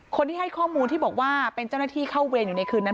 คนที่ให้ข้อมูลที่บอกว่าเป็นเจ้าหน้าที่เข้าเวรอยู่ในคืนนั้น